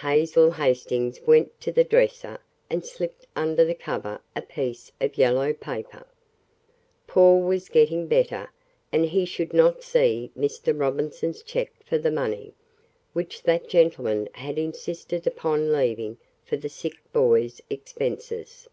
Hazel Hastings went to the dresser and slipped under the cover a piece of yellow paper. Paul was getting better, and he should not see Mr. Robinson's check for money, which that gentleman had insisted upon leaving for the sick boy's expenses.